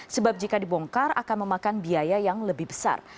sebab jika dibongkar akan memakan biaya yang lebih besar